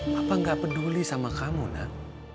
bapak gak peduli sama kamu nak